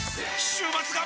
週末が！！